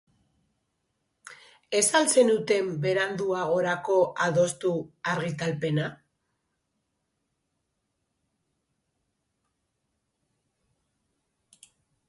Ez al zuten beranduagorako adostu argitalpena?